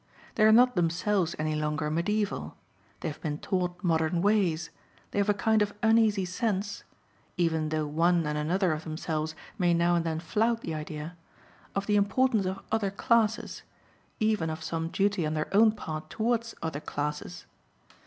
They are not themselves any longer mediaeval; they have been taught modern ways; they have a kind of uneasy sense (even though one and another of themselves may now and then flout the idea) of the importance of other classes, even of some duty on their own part towards other classes.